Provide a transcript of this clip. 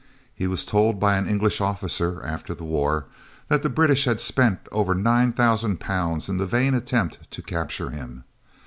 He was told by an English officer; after the war, that the British had spent over £9,000 in the vain attempt to capture him.